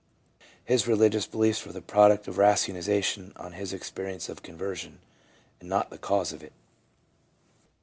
His religious beliefs were the product of ratiocination on his experience of conversion, and not the cause of it.